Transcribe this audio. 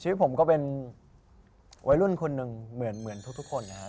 ชีวิตผมก็เป็นวัยรุ่นคนหนึ่งเหมือนทุกคนนะครับ